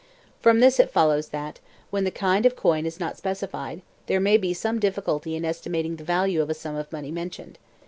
From this it follows that, when the kind of coin is not specified, there may be some difficulty in estimating the value of a sum of money mentioned.